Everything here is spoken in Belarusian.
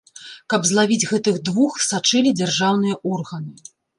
Каб злавіць гэтых двух, сачылі дзяржаўныя органы.